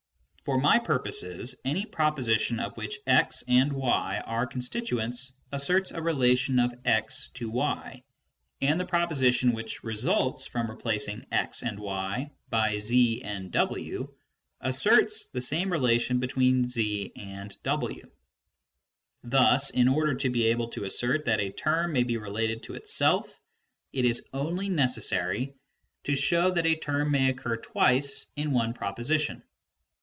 For my purposes, any proposition of which x and y are con stituents asserts a relation of x to y, and the proposition which results from replacing x and y hy z and w asserts the same relation between z and w. Thus in order to be able to assert that a term may be related to itself, it is only necessary to show that a term may occur twice in one proposition.